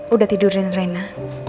udah tidurin reina